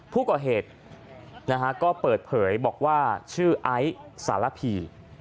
ผู้ก่อเหตุก็เปิดเผยบอกว่าชื่อไอซ์สารพี